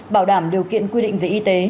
bảo đảm điều kiện quy định về y tế